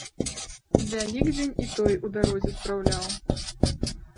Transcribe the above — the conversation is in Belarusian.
Вялікдзень і той у дарозе спраўляў.